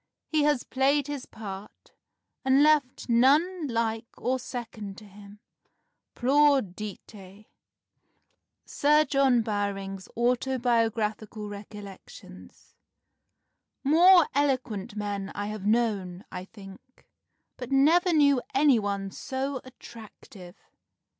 He has played his part, and left none like or second to him. Plaudite!" [Sidenote: Sir John Bowring's Autobiographical Recollections.] "More eloquent men I have known, I think, but I never knew any one so attractive.